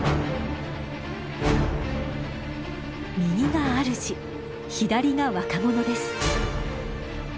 右があるじ左が若者です。